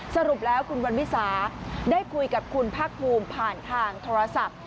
สรุปแล้วคุณวันวิสาได้คุยกับคุณภาคภูมิผ่านทางโทรศัพท์